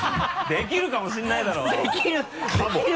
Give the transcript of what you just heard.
「できるかもしれないだろ！」